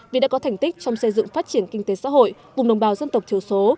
vì đã có thành tích trong xây dựng phát triển kinh tế xã hội vùng đồng bào dân tộc thiểu số